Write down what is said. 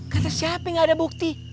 kata siapa gak ada bukti